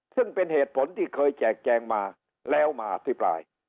ซึ่งเป็นเหตุผลที่เคยแจกแจงมาแล้วมาอภิปราย